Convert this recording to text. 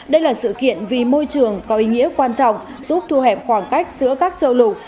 đây là sự kiện vì môi trường có ý nghĩa quan trọng giúp thu hẹp khoảng cách giữa các châu lục